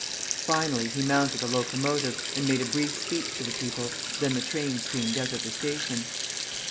Finally he mounted a locomotive, and made a brief speech to the people; then the train steamed out of the station.